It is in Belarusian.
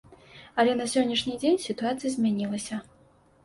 Але на сённяшні дзень сітуацыя змянілася.